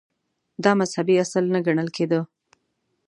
• دا مذهبي اصل نه ګڼل کېده.